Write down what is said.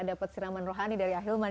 dapat siraman rohani dari ahilman